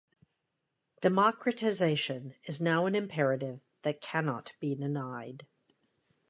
Democratisation is now an imperative that cannot be denied.